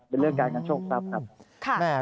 เป็นเรื่องการกันโชคทรัพย์ครับ